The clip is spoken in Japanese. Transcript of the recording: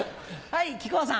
はい。